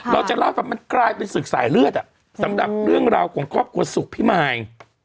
เราจะเล่าแบบมันกลายเป็นสื่อสายเลือดสำหรับเรื่องของครอบครัวสุขพี่มาย